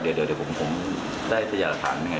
แล้วที่เขาให้เค้าให้ทำ